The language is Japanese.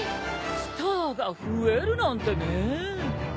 スターが増えるなんてね。